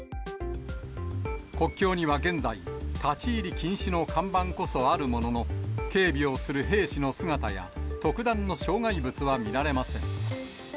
国境には現在、立ち入り禁止の看板こそあるものの、警備をする兵士の姿や、特段の障害物は見られません。